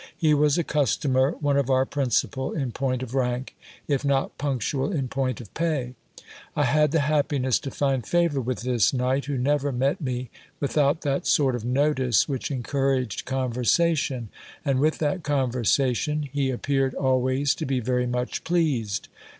He was a customer, one of our principal in point of rank, if not punctual in point of pay. I had the happiness to find favour with this knight, who never met me without that sort of notice which encouraged conversation, and with that conversation he ap peared always to be very much pleased.